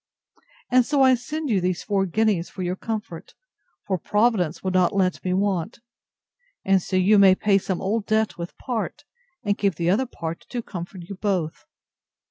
And so I send you these four guineas for your comfort; for Providence will not let me want: And so you may pay some old debt with part, and keep the other part to comfort you both.